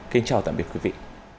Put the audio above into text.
kính chào tạm biệt quý vị